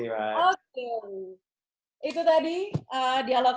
itu tadi dialog saya bersama dengan beberapa orang